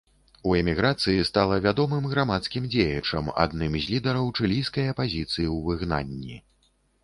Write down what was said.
У эміграцыі стала вядомым грамадскім дзеячам, адным з лідараў чылійскай апазіцыі ў выгнанні.